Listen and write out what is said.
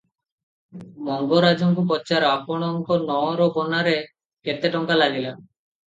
ମଙ୍ଗରାଜଙ୍କୁ ପଚାର, ଆପଣଙ୍କ ନଅର ବନାରେ କେତେଟଙ୍କା ଲାଗିଲା?